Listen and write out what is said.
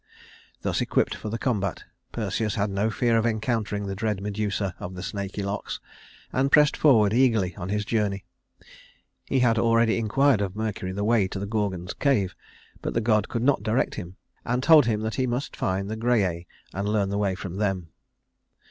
Thus equipped for the combat Perseus had no fear of encountering the dread Medusa of the snaky locks, and pressed forward eagerly on his journey. He had already inquired of Mercury the way to the Gorgon's cave, but the god could not direct him, and told him that he must find the Grææ and learn the way from them.